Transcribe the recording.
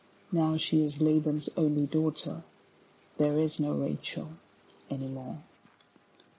Now she is Laban's only daughter: There is no Rachel any more.